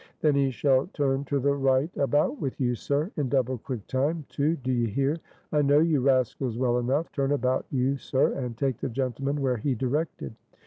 "Then he shall turn to the right about with you, sir; in double quick time too; do ye hear? I know you rascals well enough. Turn about, you sir, and take the gentleman where he directed."